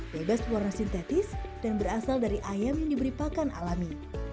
bebas pewarna sintetis dan berasal dari ayam yang diberi pakan alami